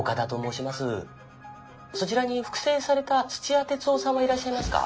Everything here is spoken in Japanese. そちらに復生された土屋徹生さんはいらっしゃいますか？」。